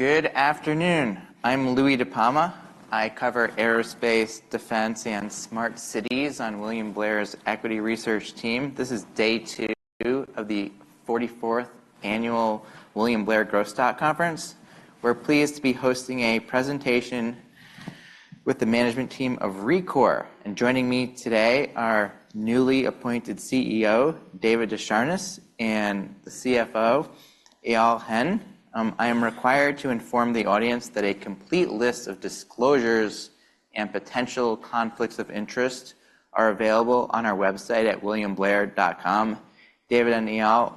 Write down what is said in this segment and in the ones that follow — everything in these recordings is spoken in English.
Good afternoon. I'm Louie DiPalma. I cover aerospace, defense, and smart cities on William Blair's equity research team. This is day 2 of the 44th Annual William Blair Growth Stock Conference. We're pleased to be hosting a presentation with the management team of Rekor. And joining me today are newly appointed CEO, David Desharnais, and the CFO, Eyal Hen. I am required to inform the audience that a complete list of disclosures and potential conflicts of interest are available on our website at williamblair.com. David and Eyal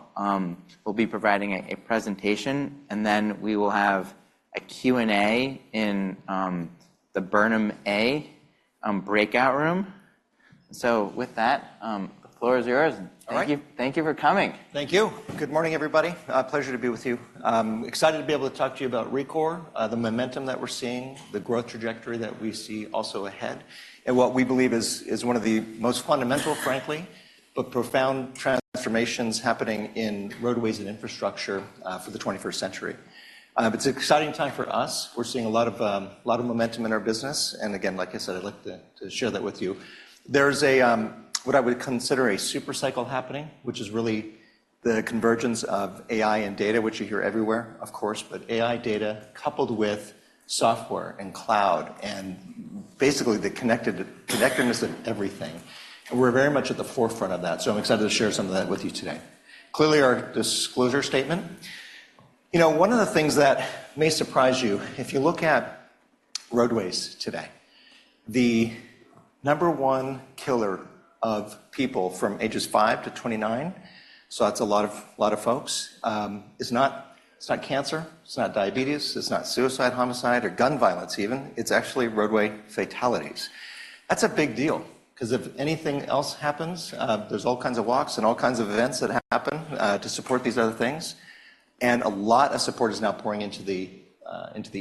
will be providing a presentation, and then we will have a Q&A in the Burnham A breakout room. So with that, the floor is yours. All right. Thank you. Thank you for coming. Thank you. Good morning, everybody. Pleasure to be with you. I'm excited to be able to talk to you about Rekor, the momentum that we're seeing, the growth trajectory that we see also ahead, and what we believe is one of the most fundamental, frankly, but profound transformations happening in roadways and infrastructure, for the 21st century. But it's an exciting time for us. We're seeing a lot of, a lot of momentum in our business, and again, like I said, I'd like to share that with you. There's a, what I would consider a super cycle happening, which is really the convergence of AI and data, which you hear everywhere, of course, but AI data coupled with software and cloud, and basically, the connectedness of everything. And we're very much at the forefront of that, so I'm excited to share some of that with you today. Clearly, our disclosure statement. You know, one of the things that may surprise you, if you look at roadways today, the number one killer of people from ages 5 to 29, so that's a lot of, lot of folks, is not—it's not cancer, it's not diabetes, it's not suicide, homicide, or gun violence even. It's actually roadway fatalities. That's a big deal, 'cause if anything else happens, there's all kinds of walks and all kinds of events that happen to support these other things, and a lot of support is now pouring into the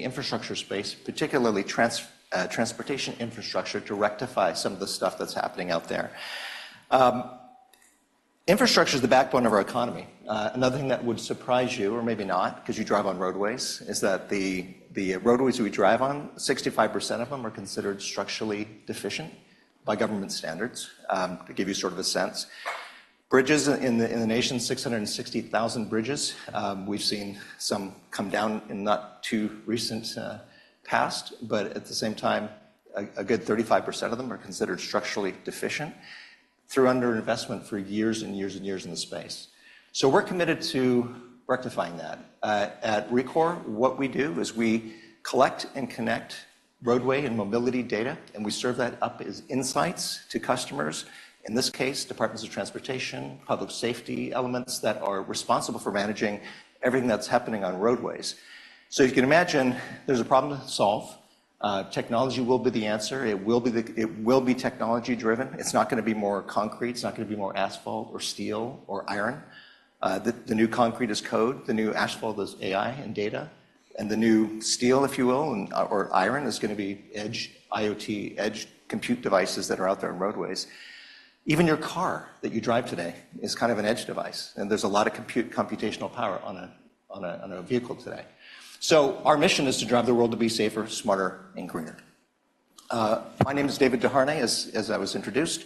infrastructure space, particularly transportation infrastructure, to rectify some of the stuff that's happening out there. Infrastructure is the backbone of our economy. Another thing that would surprise you, or maybe not, 'cause you drive on roadways, is that the roadways we drive on, 65% of them are considered structurally deficient by government standards, to give you sort of a sense. Bridges in the nation, 660,000 bridges, we've seen some come down in not too recent past, but at the same time, a good 35% of them are considered structurally deficient through underinvestment for years and years and years in the space. So we're committed to rectifying that. At Rekor, what we do is we collect and connect roadway and mobility data, and we serve that up as insights to customers, in this case, departments of transportation, public safety, elements that are responsible for managing everything that's happening on roadways. So you can imagine there's a problem to solve. Technology will be the answer. It will be technology-driven. It's not gonna be more concrete, it's not gonna be more asphalt or steel or iron. The new concrete is code, the new asphalt is AI and data, and the new steel, if you will, and or iron, is gonna be edge, IoT, edge compute devices that are out there in roadways. Even your car that you drive today is kind of an edge device, and there's a lot of compute, computational power on a vehicle today. So our mission is to drive the world to be safer, smarter, and greener. My name is David Desharnais, as I was introduced,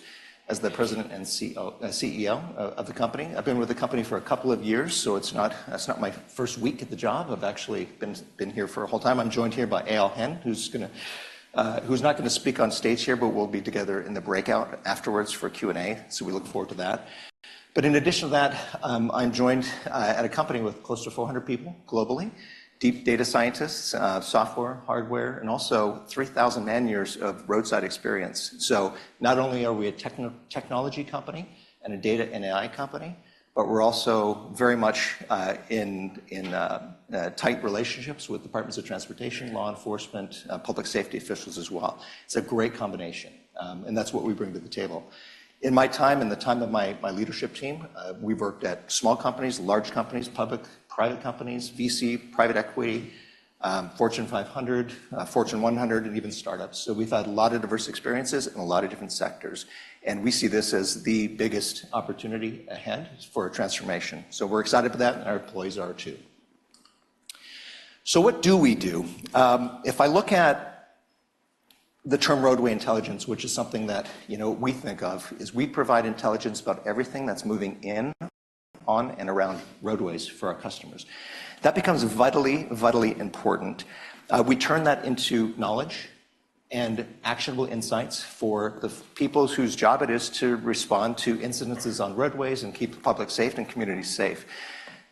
as the President and CEO of the company. I've been with the company for a couple of years, so it's not, it's not my first week at the job. I've actually been been here for a whole time. I'm joined here by Eyal Hen, who's gonna, who's not gonna speak on stage here, but we'll be together in the breakout afterwards for Q&A, so we look forward to that. But in addition to that, I'm joined at a company with close to 400 people globally, deep data scientists, software, hardware, and also 3,000 man-years of roadside experience. So not only are we a technology company and a data and AI company, but we're also very much in tight relationships with departments of transportation, law enforcement, public safety officials as well. It's a great combination, and that's what we bring to the table. In my time, in the time of my leadership team, we've worked at small companies, large companies, public, private companies, VC, private equity, Fortune 500, Fortune 100, and even startups. So we've had a lot of diverse experiences in a lot of different sectors, and we see this as the biggest opportunity ahead for a transformation. So we're excited for that, and our employees are too. So what do we do? If I look at the term roadway intelligence, which is something that, you know, we think of, is we provide intelligence about everything that's moving in, on, and around roadways for our customers. That becomes vitally, vitally important. We turn that into knowledge and actionable insights for the people whose job it is to respond to incidents on roadways and keep the public safe and communities safe.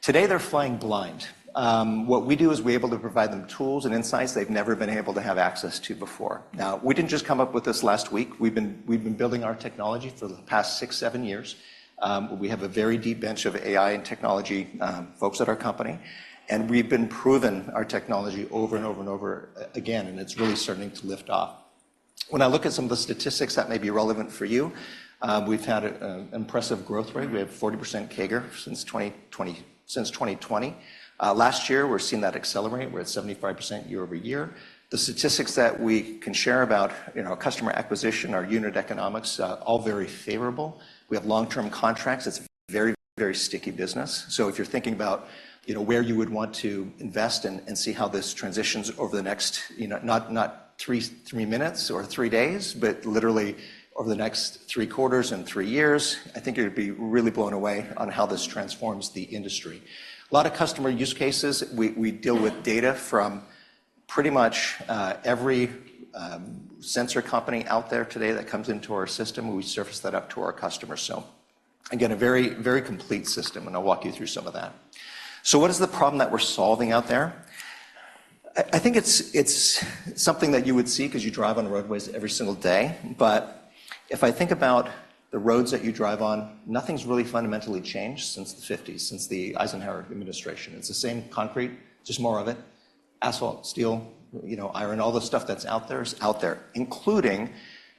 Today, they're flying blind. What we do is we're able to provide them tools and insights they've never been able to have access to before. Now, we didn't just come up with this last week. We've been building our technology for the past 6-7 years. We have a very deep bench of AI and technology folks at our company, and we've been proving our technology over and over again, and it's really starting to lift off. When I look at some of the statistics that may be relevant for you, we've had an impressive growth rate. We have 40% CAGR since 2020. Last year, we're seeing that accelerate. We're at 75% year-over-year. The statistics that we can share about, you know, customer acquisition, our unit economics, all very favorable. We have long-term contracts. It's a very, very sticky business. So if you're thinking about, you know, where you would want to invest and see how this transitions over the next, you know, not three minutes or three days, but literally over the next three quarters and three years, I think you'd be really blown away on how this transforms the industry. A lot of customer use cases, we deal with data from pretty much every sensor company out there today that comes into our system, we surface that up to our customers. So again, a very, very complete system, and I'll walk you through some of that. So what is the problem that we're solving out there? I think it's something that you would see 'cause you drive on roadways every single day. But if I think about the roads that you drive on, nothing's really fundamentally changed since the 1950s, since the Eisenhower administration. It's the same concrete, just more of it, asphalt, steel, you know, iron, all the stuff that's out there is out there, including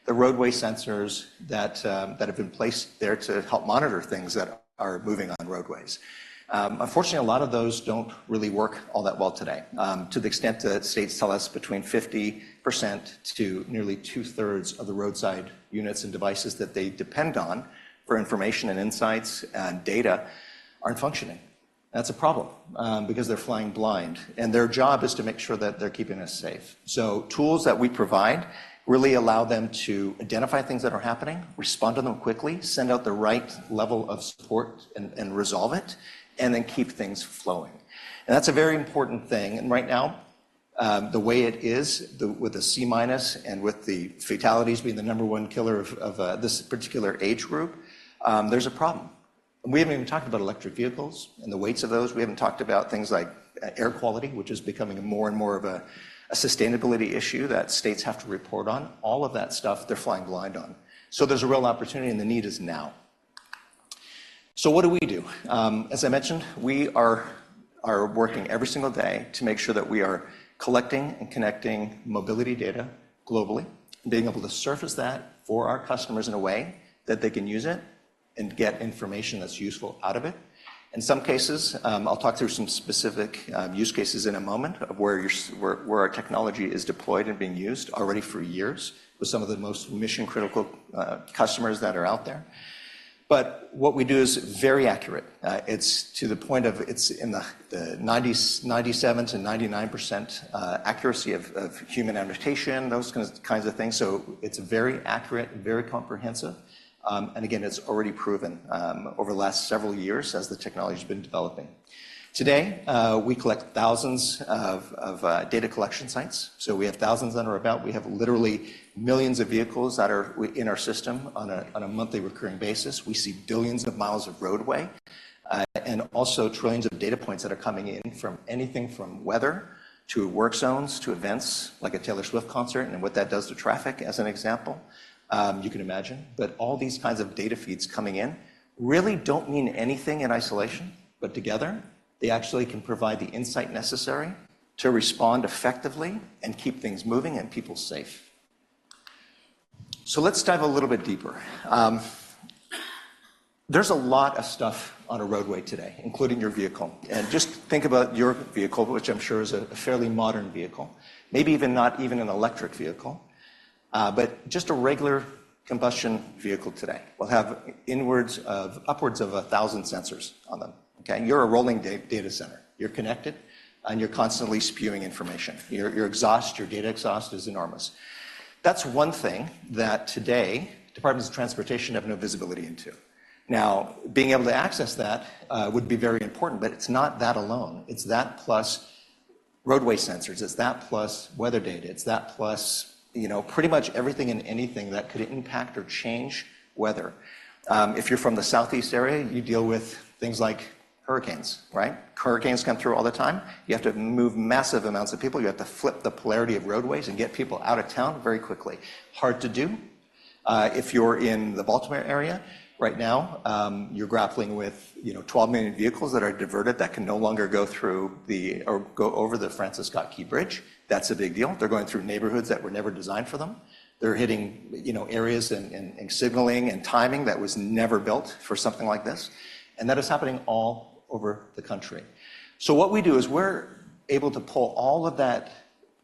the roadway sensors that, that have been placed there to help monitor things that are moving on roadways. Unfortunately, a lot of those don't really work all that well today, to the extent that states tell us between 50% to nearly two-thirds of the roadside units and devices that they depend on for information and insights and data aren't functioning. That's a problem, because they're flying blind, and their job is to make sure that they're keeping us safe. So tools that we provide really allow them to identify things that are happening, respond to them quickly, send out the right level of support and, and resolve it, and then keep things flowing. And that's a very important thing. And right now, the way it is, with a C-minus and with the fatalities being the number one killer of this particular age group, there's a problem. And we haven't even talked about electric vehicles and the weights of those. We haven't talked about things like air quality, which is becoming more and more of a sustainability issue that states have to report on. All of that stuff, they're flying blind on. So there's a real opportunity, and the need is now. So what do we do? As I mentioned, we are working every single day to make sure that we are collecting and connecting mobility data globally, being able to surface that for our customers in a way that they can use it and get information that's useful out of it. In some cases, I'll talk through some specific use cases in a moment of where our technology is deployed and being used already for years with some of the most mission-critical customers that are out there. But what we do is very accurate. It's to the point of it's in the 97%-99% accuracy of human annotation, those kinds of things. So it's very accurate and very comprehensive. And again, it's already proven over the last several years as the technology's been developing. Today, we collect thousands of data collection sites. So we have thousands that are about. We have literally millions of vehicles that are in our system on a monthly recurring basis. We see billions of miles of roadway, and also trillions of data points that are coming in from anything from weather to work zones to events like a Taylor Swift concert and what that does to traffic, as an example. You can imagine that all these kinds of data feeds coming in really don't mean anything in isolation, but together, they actually can provide the insight necessary to respond effectively and keep things moving and people safe. So let's dive a little bit deeper. There's a lot of stuff on a roadway today, including your vehicle. Just think about your vehicle, which I'm sure is a fairly modern vehicle. Maybe even not even an electric vehicle, but just a regular combustion vehicle today will have in excess of upwards of 1,000 sensors on them, okay? You're a rolling data center. You're connected, and you're constantly spewing information. Your exhaust, your data exhaust is enormous. That's one thing that today, departments of transportation have no visibility into. Now, being able to access that would be very important, but it's not that alone. It's that plus roadway sensors. It's that plus weather data. It's that plus, you know, pretty much everything and anything that could impact or change weather. If you're from the southeast area, you deal with things like hurricanes, right? Hurricanes come through all the time. You have to move massive amounts of people. You have to flip the polarity of roadways and get people out of town very quickly. Hard to do. If you're in the Baltimore area right now, you're grappling with, you know, 12 million vehicles that are diverted that can no longer go through the or go over the Francis Scott Key Bridge. That's a big deal. They're going through neighborhoods that were never designed for them. They're hitting, you know, areas and signaling and timing that was never built for something like this, and that is happening all over the country. So what we do is we're able to pull all of that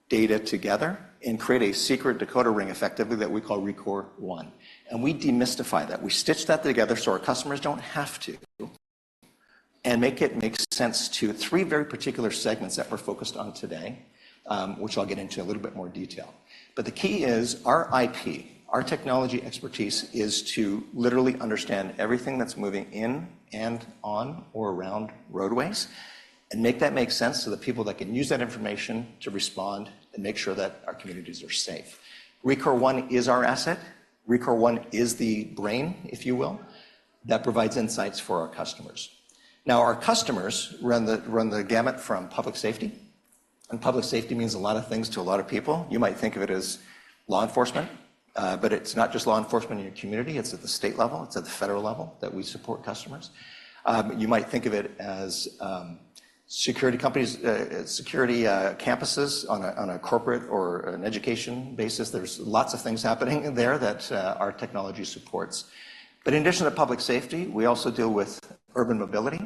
data together and create a secret decoder ring, effectively, that we call Rekor One, and we demystify that. We stitch that together so our customers don't have to, and make it make sense to three very particular segments that we're focused on today, which I'll get into a little bit more detail. But the key is our IP, our technology expertise, is to literally understand everything that's moving in and on or around roadways and make that make sense to the people that can use that information to respond and make sure that our communities are safe. Rekor One is our asset. Rekor One is the brain, if you will, that provides insights for our customers. Now, our customers run the, run the gamut from public safety, and public safety means a lot of things to a lot of people. You might think of it as law enforcement, but it's not just law enforcement in your community, it's at the state level, it's at the federal level that we support customers. You might think of it as security companies, security campuses on a corporate or an education basis. There's lots of things happening there that our technology supports. But in addition to public safety, we also deal with urban mobility.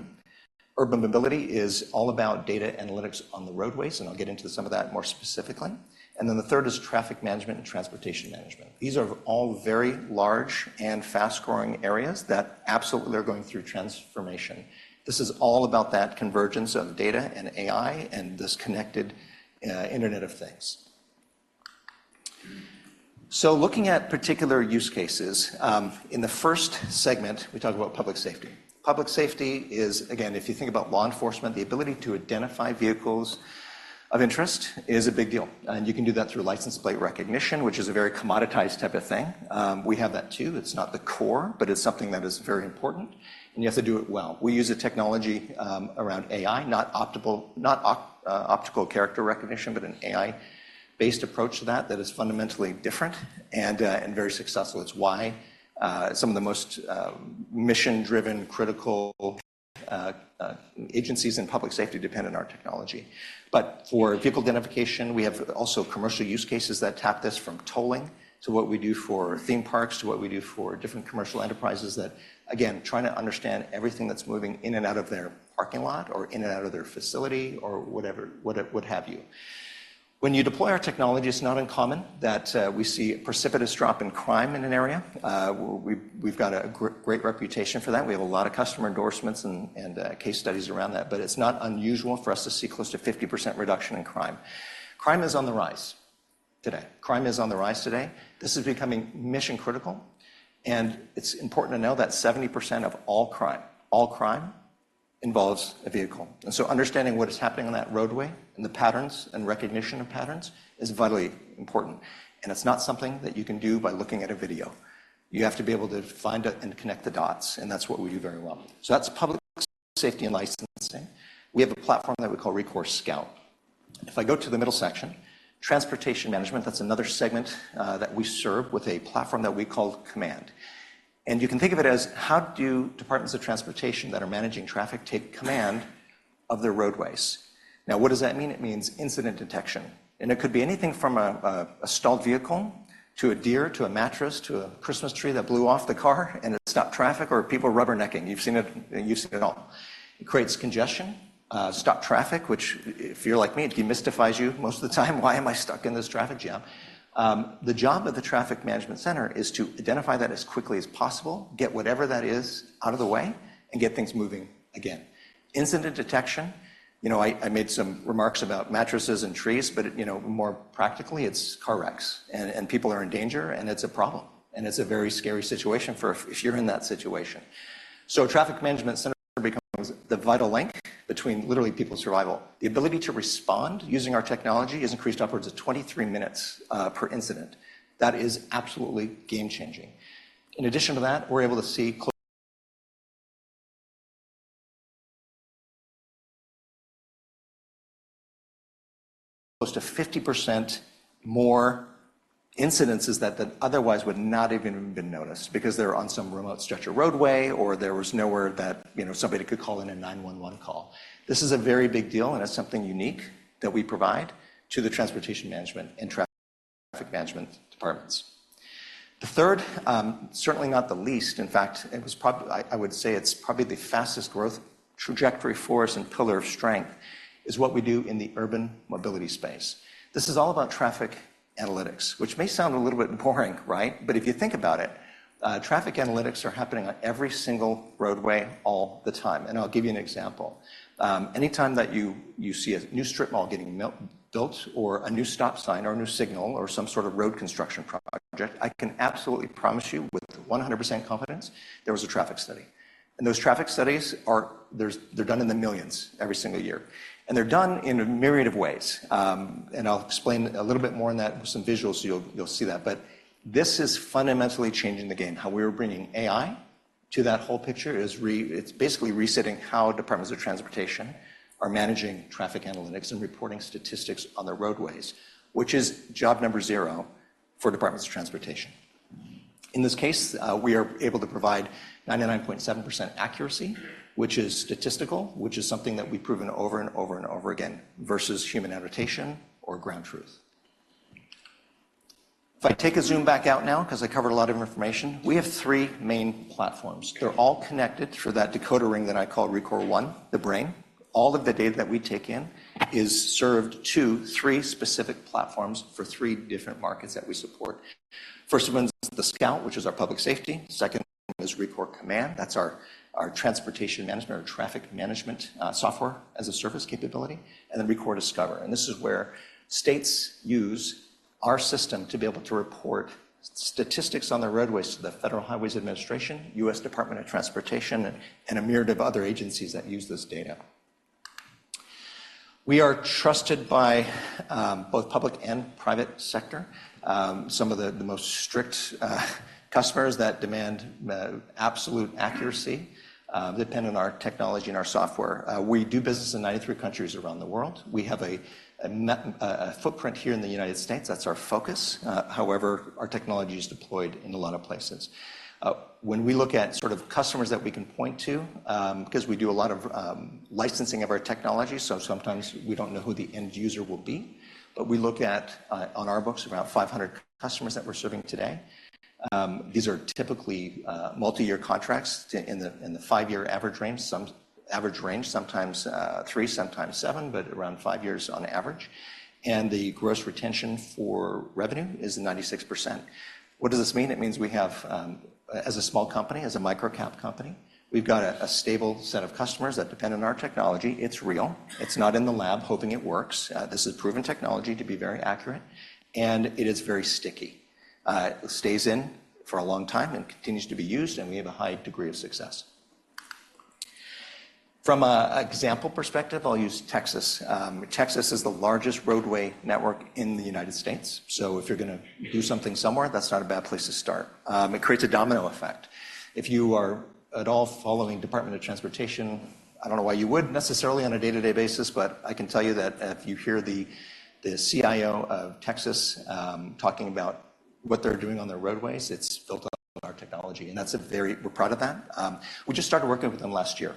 Urban mobility is all about data analytics on the roadways, and I'll get into some of that more specifically. And then the third is traffic management and transportation management. These are all very large and fast-growing areas that absolutely are going through transformation. This is all about that convergence of data and AI and this connected Internet of Things.... So looking at particular use cases, in the first segment, we talked about public safety. Public safety is, again, if you think about law enforcement, the ability to identify vehicles of interest is a big deal, and you can do that through license plate recognition, which is a very commoditized type of thing. We have that, too. It's not the core, but it's something that is very important, and you have to do it well. We use a technology around AI, not optical character recognition, but an AI-based approach to that that is fundamentally different and very successful. It's why some of the most mission-driven, critical agencies in public safety depend on our technology. But for vehicle identification, we have also commercial use cases that tap this from tolling to what we do for theme parks to what we do for different commercial enterprises that, again, trying to understand everything that's moving in and out of their parking lot or in and out of their facility or whatever, what have you. When you deploy our technology, it's not uncommon that we see a precipitous drop in crime in an area. We've got a great reputation for that. We have a lot of customer endorsements and case studies around that, but it's not unusual for us to see close to 50% reduction in crime. Crime is on the rise today. Crime is on the rise today. This is becoming mission critical, and it's important to know that 70% of all crime, all crime, involves a vehicle. And so understanding what is happening on that roadway and the patterns and recognition of patterns is vitally important, and it's not something that you can do by looking at a video. You have to be able to find it and connect the dots, and that's what we do very well. So that's public safety and licensing. We have a platform that we call Rekor Scout. If I go to the middle section, transportation management, that's another segment, that we serve with a platform that we call Rekor Command. And you can think of it as, how do departments of transportation that are managing traffic take command of their roadways? Now, what does that mean? It means incident detection, and it could be anything from a stalled vehicle to a deer, to a mattress, to a Christmas tree that blew off the car, and it stopped traffic, or people rubbernecking. You've seen it, and you've seen it all. It creates congestion, stopped traffic, which, if you're like me, it demystifies you most of the time. "Why am I stuck in this traffic jam?" The job of the traffic management center is to identify that as quickly as possible, get whatever that is out of the way, and get things moving again. Incident detection, you know, I made some remarks about mattresses and trees, but, you know, more practically, it's car wrecks, and people are in danger, and it's a problem, and it's a very scary situation for if you're in that situation. So traffic management center becomes the vital link between literally people's survival. The ability to respond using our technology has increased upwards of 23 minutes per incident. That is absolutely game-changing. In addition to that, we're able to see close to 50% more incidents that otherwise would not even have been noticed because they're on some remote stretch of roadway, or there was nowhere that, you know, somebody could call in a 911 call. This is a very big deal, and it's something unique that we provide to the transportation management and traffic management departments. The third, certainly not the least, in fact, I would say it's probably the fastest growth trajectory for us and pillar of strength, is what we do in the urban mobility space. This is all about traffic analytics, which may sound a little bit boring, right? But if you think about it, traffic analytics are happening on every single roadway all the time, and I'll give you an example. Anytime that you see a new strip mall getting built or a new stop sign or a new signal or some sort of road construction project, I can absolutely promise you with 100% confidence there was a traffic study. And those traffic studies are, they're done in the millions every single year, and they're done in a myriad of ways. And I'll explain a little bit more on that with some visuals, so you'll see that. But this is fundamentally changing the game. How we are bringing AI to that whole picture is it's basically resetting how departments of transportation are managing traffic analytics and reporting statistics on the roadways, which is job number zero for departments of transportation. In this case, we are able to provide 99.7% accuracy, which is statistical, which is something that we've proven over and over and over again, versus human annotation or ground truth. If I take a zoom back out now, 'cause I covered a lot of information, we have three main platforms. They're all connected through that decoder ring that I call Rekor One, the brain. All of the data that we take in is served to three specific platforms for three different markets that we support. First one is the Scout, which is our public safety. Second one is Rekor Command. That's our transportation management, our traffic management, software as a service capability, and then Rekor Discover, and this is where states use our system to be able to report statistics on the roadways to the Federal Highway Administration, U.S. Department of Transportation, and a myriad of other agencies that use this data. We are trusted by both public and private sector. Some of the most strict customers that demand absolute accuracy depend on our technology and our software. We do business in 93 countries around the world. We have a footprint here in the United States. That's our focus. However, our technology is deployed in a lot of places. When we look at sort of customers that we can point to, 'cause we do a lot of licensing of our technology, so sometimes we don't know who the end user will be, but we look at on our books, around 500 customers that we're serving today. These are typically multiyear contracts in the 5-year average range, some average range, sometimes 3, sometimes 7, but around 5 years on average. And the gross retention for revenue is 96%. What does this mean? It means we have, as a small company, as a micro-cap company, we've got a stable set of customers that depend on our technology. It's real. It's not in the lab, hoping it works. This is proven technology to be very accurate, and it is very sticky. It stays in for a long time and continues to be used, and we have a high degree of success. From an example perspective, I'll use Texas. Texas is the largest roadway network in the United States, so if you're gonna do something somewhere, that's not a bad place to start. It creates a domino effect. If you are at all following Department of Transportation, I don't know why you would necessarily on a day-to-day basis, but I can tell you that if you hear the CIO of Texas talking about what they're doing on their roadways, it's built on our technology, and that's a very, we're proud of that. We just started working with them last year.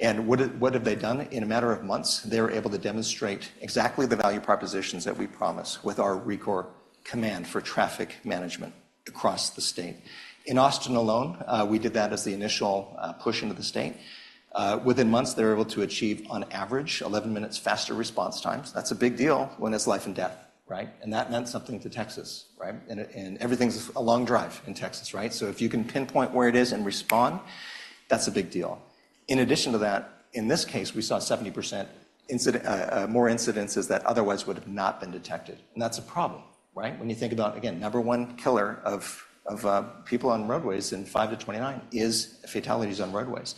What have they done? In a matter of months, they were able to demonstrate exactly the value propositions that we promise with our Rekor Command for traffic management across the state. In Austin alone, we did that as the initial push into the state. Within months, they were able to achieve, on average, 11 minutes faster response times. That's a big deal when it's life and death, right? And that meant something to Texas, right? And everything's a long drive in Texas, right? So if you can pinpoint where it is and respond, that's a big deal. In addition to that, in this case, we saw 70% incident more incidences that otherwise would have not been detected, and that's a problem, right? When you think about, again, number one killer of people on roadways in 5-29 is fatalities on roadways.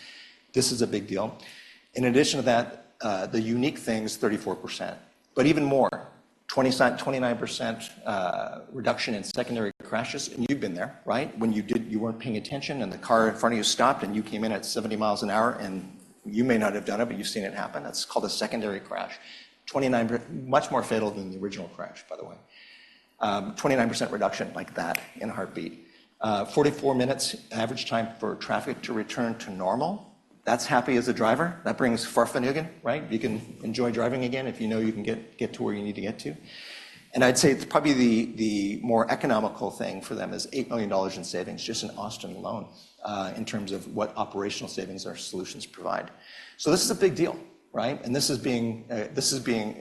This is a big deal. In addition to that, the unique thing is 34%, but even more, 29% reduction in secondary crashes. And you've been there, right? When you weren't paying attention, and the car in front of you stopped, and you came in at 70 miles an hour, and you may not have done it, but you've seen it happen. It's called a secondary crash. 29%. Much more fatal than the original crash, by the way. 29% reduction like that, in a heartbeat. 44 minutes, average time for traffic to return to normal. That's happy as a driver. That brings Fahrvergnügen, right? You can enjoy driving again if you know you can get to where you need to get to. I'd say probably the more economical thing for them is $8 million in savings just in Austin alone, in terms of what operational savings our solutions provide. So this is a big deal, right? And this is being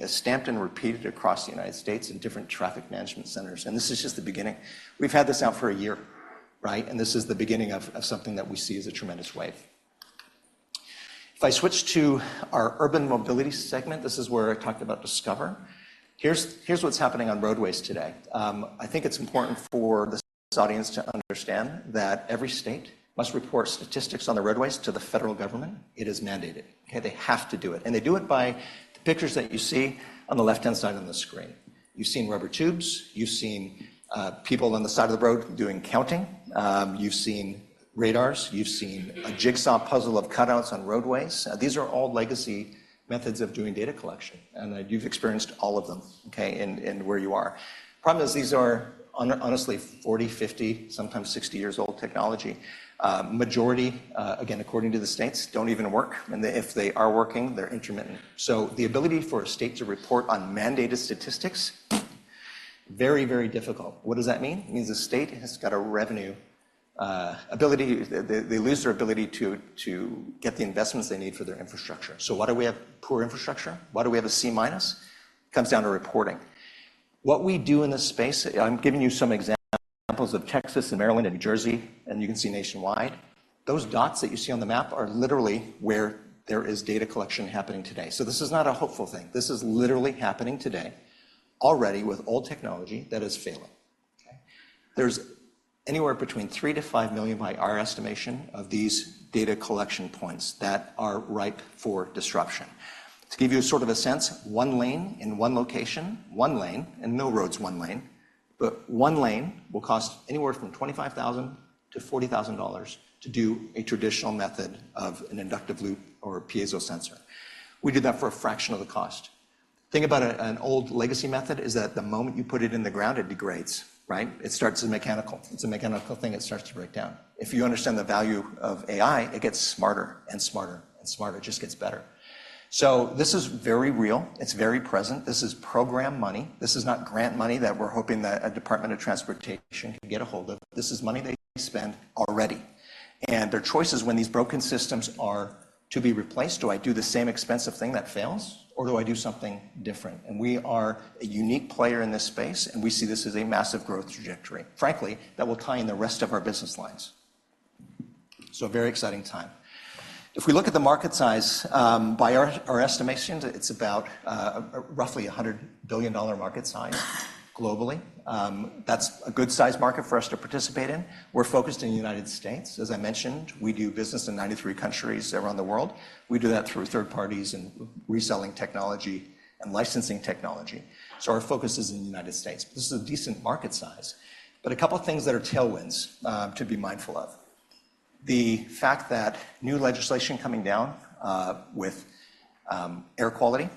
stamped and repeated across the United States in different traffic management centers, and this is just the beginning. We've had this out for a year, right? And this is the beginning of something that we see as a tremendous wave. If I switch to our urban mobility segment, this is where I talked about Discover. Here's what's happening on roadways today. I think it's important for this audience to understand that every state must report statistics on the roadways to the federal government. It is mandated, okay? They have to do it, and they do it by the pictures that you see on the left-hand side on the screen. You've seen rubber tubes. You've seen people on the side of the road doing counting. You've seen radars. You've seen a jigsaw puzzle of cutouts on roadways. These are all legacy methods of doing data collection, and you've experienced all of them, okay, in where you are. Problem is, these are honestly 40, 50, sometimes 60 years old technology. Majority, again, according to the states, don't even work, and if they are working, they're intermittent. So the ability for a state to report on mandated statistics, very, very difficult. What does that mean? It means the state has got a revenue ability... They lose their ability to get the investments they need for their infrastructure. So why do we have poor infrastructure? Why do we have a C-minus? Comes down to reporting. What we do in this space, I'm giving you some examples of Texas and Maryland and New Jersey, and you can see nationwide. Those dots that you see on the map are literally where there is data collection happening today. So this is not a hopeful thing. This is literally happening today already with old technology that is failing, okay? There's anywhere between 3-5 million, by our estimation, of these data collection points that are ripe for disruption. To give you a sort of a sense, one lane in one location, one lane, and no road's one lane, but one lane will cost anywhere from $25,000-$40,000 to do a traditional method of an inductive loop or a piezo sensor. We do that for a fraction of the cost. Think about an old legacy method is that the moment you put it in the ground, it degrades, right? It starts as mechanical. It's a mechanical thing. It starts to break down. If you understand the value of AI, it gets smarter and smarter and smarter. It just gets better. So this is very real. It's very present. This is program money. This is not grant money that we're hoping that a Department of Transportation can get ahold of. This is money they spend already, and their choices when these broken systems are to be replaced, "Do I do the same expensive thing that fails, or do I do something different?" And we are a unique player in this space, and we see this as a massive growth trajectory, frankly, that will tie in the rest of our business lines. So a very exciting time. If we look at the market size, by our estimations, it's about, roughly a $100 billion market size globally. That's a good size market for us to participate in. We're focused in the United States. As I mentioned, we do business in 93 countries around the world. We do that through third parties and reselling technology and licensing technology. So our focus is in the United States. This is a decent market size, but a couple of things that are tailwinds, to be mindful of: the fact that new legislation coming down, with air quality,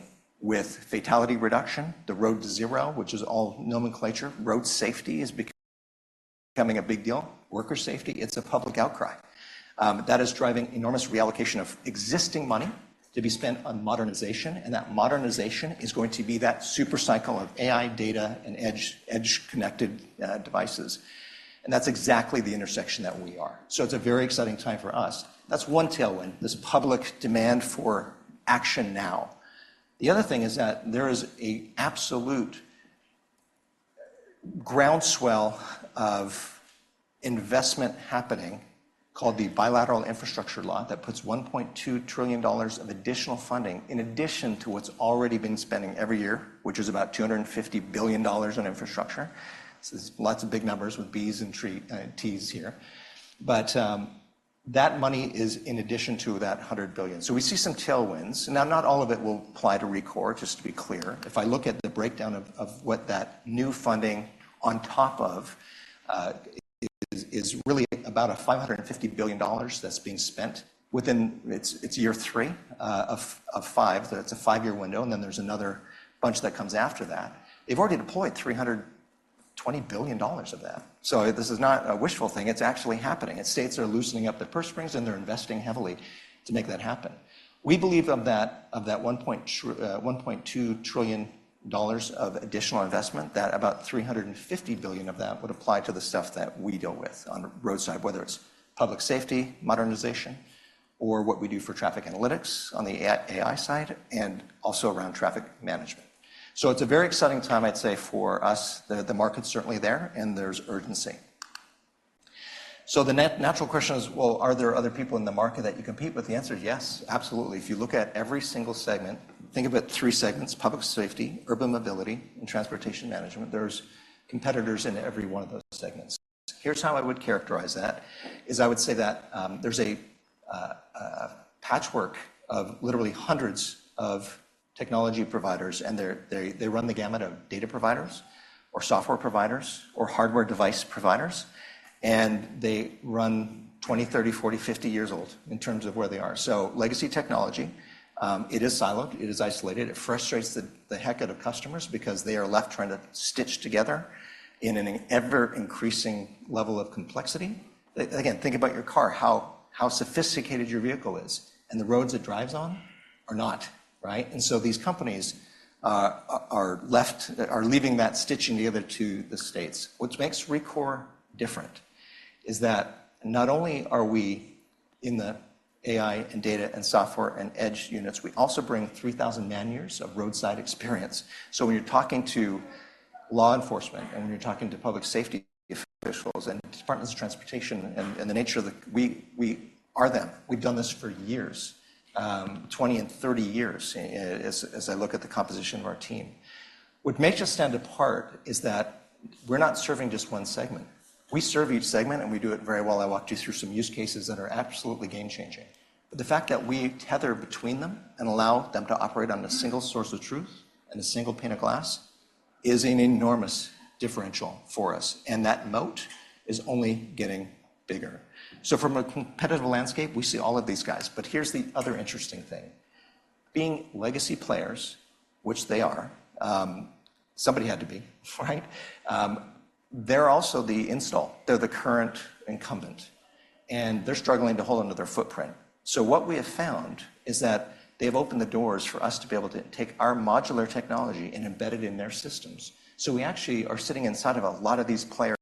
with fatality reduction, the Road to Zero, which is all nomenclature. Road safety is becoming a big deal. Worker safety, it's a public outcry. That is driving enormous reallocation of existing money to be spent on modernization, and that modernization is going to be that super cycle of AI, data, and edge, edge-connected, devices. And that's exactly the intersection that we are. So it's a very exciting time for us. That's one tailwind, this public demand for action now. The other thing is that there is an absolute groundswell of investment happening, called the Bipartisan Infrastructure Law, that puts $1.2 trillion of additional funding in addition to what's already been spending every year, which is about $250 billion in infrastructure. This is lots of big numbers with B's and T's here. But, that money is in addition to that $100 billion. So we see some tailwinds. Now, not all of it will apply to Rekor, just to be clear. If I look at the breakdown of what that new funding on top of is really about $550 billion that's being spent within—it's year 3 of 5. So it's a five-year window, and then there's another bunch that comes after that. They've already deployed $320 billion of that. So this is not a wishful thing; it's actually happening. And states are loosening up their purse strings, and they're investing heavily to make that happen. We believe of that, of that $1.2 trillion of additional investment, that about $350 billion of that would apply to the stuff that we deal with on the roadside, whether it's public safety, modernization, or what we do for traffic analytics on the AI side, and also around traffic management. So it's a very exciting time, I'd say, for us. The market's certainly there, and there's urgency. So the natural question is, well, are there other people in the market that you compete with? The answer is yes, absolutely. If you look at every single segment, think about three segments: public safety, urban mobility, and transportation management. There's competitors in every one of those segments. Here's how I would characterize that. I would say that there's a patchwork of literally hundreds of technology providers, and they run the gamut of data providers, or software providers, or hardware device providers, and they run 20, 30, 40, 50 years old in terms of where they are. So legacy technology. It is siloed, it is isolated, it frustrates the heck out of customers because they are left trying to stitch together in an ever-increasing level of complexity. Again, think about your car, how sophisticated your vehicle is, and the roads it drives on are not, right? And so these companies are leaving that stitching together to the states. What makes Rekor different is that not only are we in the AI, and data, and software, and edge units, we also bring 3,000 man-years of roadside experience. So when you're talking to law enforcement, and when you're talking to public safety officials, and departments of transportation, and, and the nature of the... We are them. We've done this for years, 20 and 30 years, as I look at the composition of our team. What makes us stand apart is that we're not serving just one segment. We serve each segment, and we do it very well. I walked you through some use cases that are absolutely game-changing. But the fact that we tether between them and allow them to operate on a single source of truth and a single pane of glass is an enormous differential for us, and that moat is only getting bigger. So from a competitive landscape, we see all of these guys. But here's the other interesting thing: being legacy players, which they are, somebody had to be, right? They're also the install. They're the current incumbent, and they're struggling to hold onto their footprint. So what we have found is that they've opened the doors for us to be able to take our modular technology and embed it in their systems. So we actually are sitting inside of a lot of these players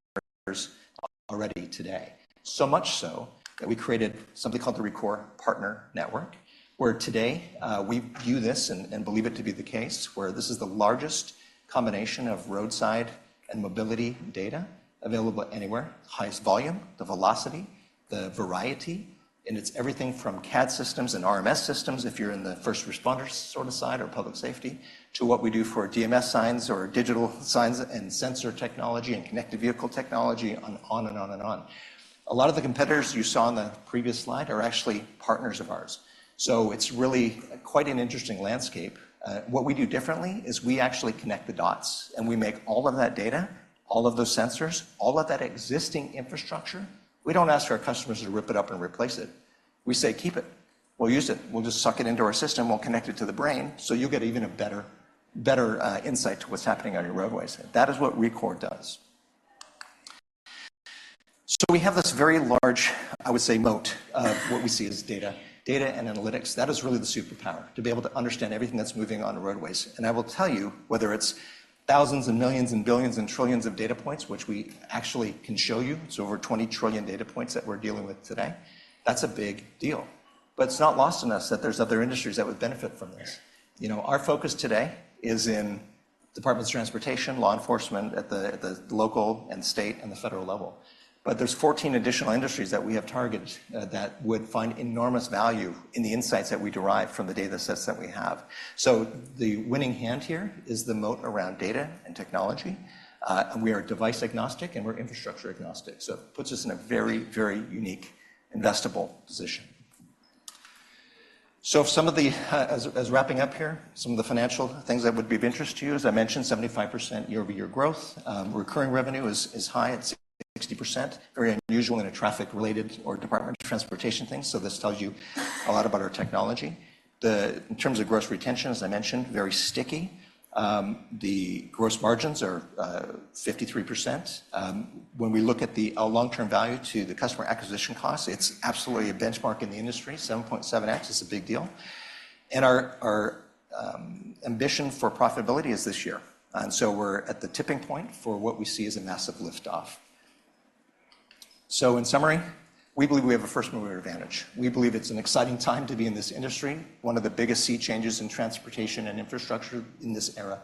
already today. So much so that we created something called the Rekor Partner Network, where today we view this and believe it to be the case, where this is the largest combination of roadside and mobility data available anywhere, highest volume, the velocity, the variety, and it's everything from CAD systems and RMS systems, if you're in the first responders' sorta side or public safety, to what we do for DMS signs or digital signs, and sensor technology, and connected vehicle technology, on and on and on. A lot of the competitors you saw on the previous slide are actually partners of ours, so it's really quite an interesting landscape. What we do differently is we actually connect the dots, and we make all of that data, all of those sensors, all of that existing infrastructure. We don't ask our customers to rip it up and replace it. We say, "Keep it. We'll use it. We'll just suck it into our system. We'll connect it to the brain, so you'll get even a better, better, insight to what's happening on your roadways." That is what Rekor does. So we have this very large, I would say, moat, of what we see as data. Data and analytics, that is really the superpower, to be able to understand everything that's moving on the roadways. And I will tell you, whether it's thousands and millions and billions and trillions of data points, which we actually can show you, it's over 20 trillion data points that we're dealing with today, that's a big deal. But it's not lost on us that there's other industries that would benefit from this. You know, our focus today is in departments of transportation, law enforcement, at the local and state and the federal level. But there's 14 additional industries that we have targeted that would find enormous value in the insights that we derive from the datasets that we have. So the winning hand here is the moat around data and technology. We are device-agnostic, and we're infrastructure-agnostic, so it puts us in a very, very unique, investable position. So some of the... As wrapping up here, some of the financial things that would be of interest to you, as I mentioned, 75% year-over-year growth. Recurring revenue is high at 60%, very unusual in a traffic-related or department of transportation thing, so this tells you a lot about our technology. In terms of gross retention, as I mentioned, very sticky. The gross margins are 53%. When we look at the our long-term value to the customer acquisition cost, it's absolutely a benchmark in the industry. 7.7x is a big deal. Our ambition for profitability is this year, and so we're at the tipping point for what we see as a massive lift-off. In summary, we believe we have a first-mover advantage. We believe it's an exciting time to be in this industry, one of the biggest sea changes in transportation and infrastructure in this era,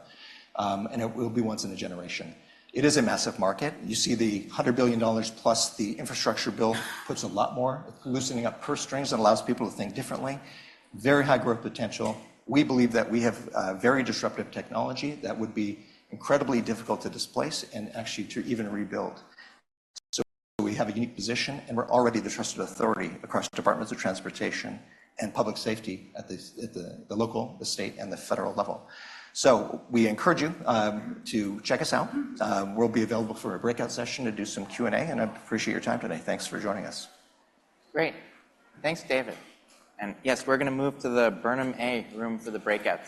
and it will be once in a generation. It is a massive market. You see the $100 billion, plus the infrastructure bill puts a lot more, loosening up purse strings and allows people to think differently. Very high growth potential. We believe that we have a very disruptive technology that would be incredibly difficult to displace and actually to even rebuild. So we have a unique position, and we're already the trusted authority across departments of transportation and public safety at the local, state, and federal level. So we encourage you to check us out. We'll be available for a breakout session to do some Q&A, and I appreciate your time today. Thanks for joining us. Great. Thanks, David. Yes, we're gonna move to the Burnham A room for the breakout.